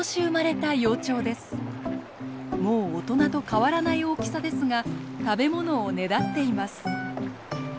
もう大人と変わらない大きさですが食べ物をねだっています。